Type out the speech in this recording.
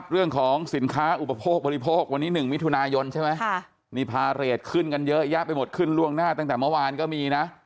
เรื่องของสินค้าอุปโภคบริโภควันนี้๑มิถุนายนใช่ไหมนี่พาเรทขึ้นกันเยอะแยะไปหมดขึ้นล่วงหน้าตั้งแต่เมื่อวานก็มีนะ